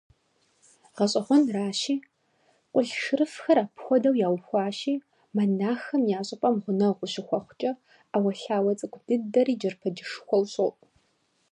ГъэщӀэгъуэнращи, къулъшырыфхэр апхуэдэу яухуащи, монаххэм я щӀыпӀэм гъунэгъу ущыхуэхъукӀэ, Ӏэуэлъауэ цӀыкӀу дыдэри джэрпэджэжышхуэу щоӀу.